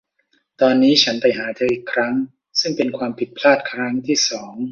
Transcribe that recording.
ตอนนี้ฉันไปหาเธออีกครั้งซึ่งเป็นความผิดพลาดครั้งที่สอง